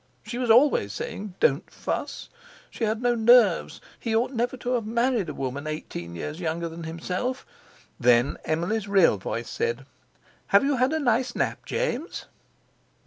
She was always saying: "Don't fuss!" She had no nerves; he ought never to have married a woman eighteen years younger than himself. Then Emily's real voice said: "Have you had a nice nap, James?"